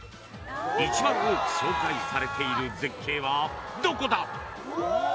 一番多く紹介されている絶景はどこだ？